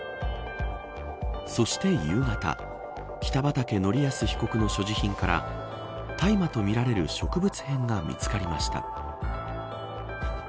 そして夕方北畠成文被告の所持品から大麻とみられる植物片が見つかりました。